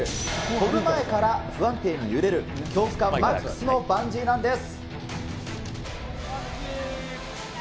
飛ぶ前から不安定に揺れる、恐怖感マックスのバンジーなんです。